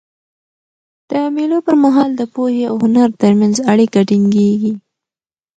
د مېلو پر مهال د پوهي او هنر ترمنځ اړیکه ټینګيږي.